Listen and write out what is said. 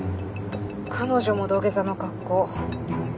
彼女も土下座の格好。